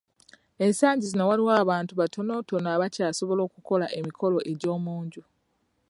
Ensangi zino waliwo abantu batonotono abakyasobola okukola emikolo egy’omu nju.